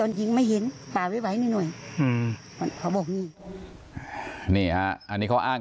ก็เลยยิงสวนไปแล้วถูกเจ้าหน้าที่เสียชีวิต